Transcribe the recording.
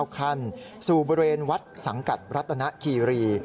คันสู่บริเวณวัดสังกัดรัตนคีรี